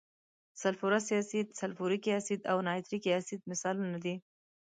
سلفورس اسید، سلفوریک اسید او نایتریک اسید مثالونه دي.